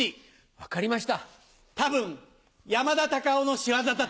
分かりました。